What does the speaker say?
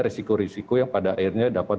risiko risiko yang pada akhirnya dapat